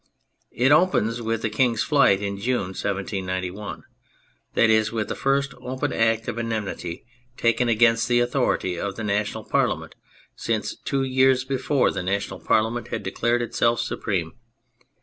It opens with the King's flight in June 1791 : that is, with the first open act of enmity taken against the authority of the National Parlia ment since, two years before, the National Parliament had declared itself supreme.